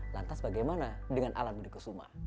lantas bagaimana dengan alan budi kusuma